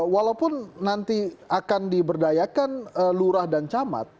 walaupun nanti akan diberdayakan lurah dan camat